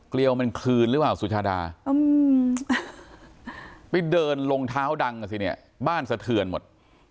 เกลียวมันคลืนหรือเปล่าสุชาดาไปเดินลงเท้าดังอ่ะสิเนี่ยบ้านสะเทือนหมด